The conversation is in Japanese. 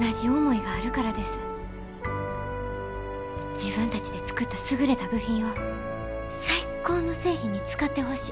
自分たちで作った優れた部品を最高の製品に使ってほしい。